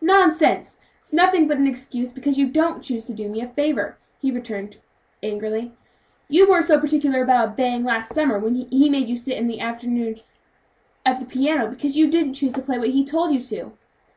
"Nonsense! that's nothing but an excuse because you don't choose to do me a favor," returned the boy angrily; "you weren't so particular about obeying last summer when he made you sit all the afternoon at the piano, because you didn't choose to play what he told you to."